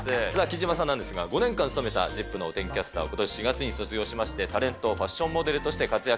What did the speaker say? では貴島さんなんですが、５年間務めたＺＩＰ！のお天気キャスターをことし４月に卒業しまして、タレント、ファッションモデルとして活躍。